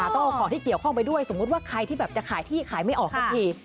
ต้องเอาของที่เกี่ยวข้องไปด้วยสมมุติว่าใครที่แบบจะขายที่ขายไม่ออกสักที